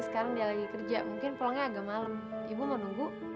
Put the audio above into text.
sekarang dia lagi kerja mungkin pulangnya agak malam ibu mau nunggu